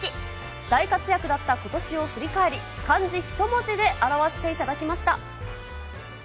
大活躍だったことしを振り返り、漢字一文字で表していただきました。